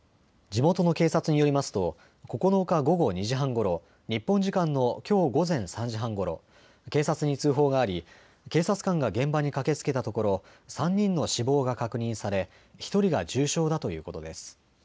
地元の警察によりますと９日、午後２時半ごろ、日本時間のきょう午前３時半ごろ、警察に通報があり警察官が現場に駆けつけたところ３人の死亡が確認され１人が重傷だということです。